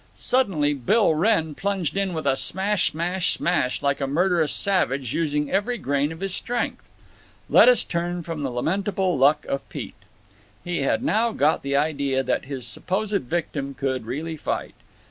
Silently Bill Wrenn plunged in with a smash! smash! smash! like a murderous savage, using every grain of his strength. Let us turn from the lamentable luck of Pete. He had now got the idea that his supposed victim could really fight.